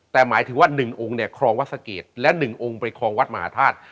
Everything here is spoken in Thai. แต่หมายถึงว่าหนึ่งองคลองวัดสะเกดและหนึ่งองไปคลองวัดมหาธาตุ